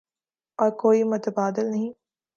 اور کوئی متبادل نہیں۔